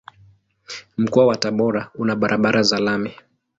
Mkoa wa Tabora una barabara za lami.